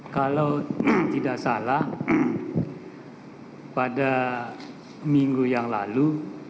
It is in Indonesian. kalau tidak salah pada minggu yang lalu